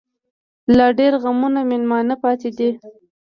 لا ډيـر غمـــــونه مېلـــمانه پــاتې دي